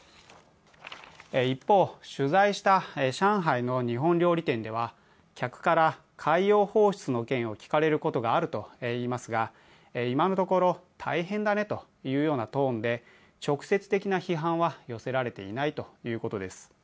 一方、取材した上海の日本料理店では客から海洋放出の件を聞かれることがあるといいますが今のところ「大変だね」というようなトーンで直接的な批判は寄せられていないということです。